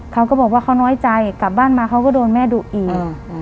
เขาก็บอกว่าเขาน้อยใจกลับบ้านมาเขาก็โดนแม่ดุอีก